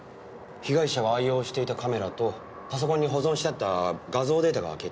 被害者が愛用していたカメラとパソコンに保存してあった画像データが消えていました。